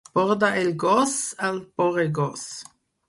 Borda el gos al poregós.